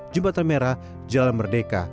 jembatan merah jalan merdeka